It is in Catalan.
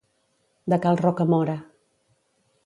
De cal Rocamora.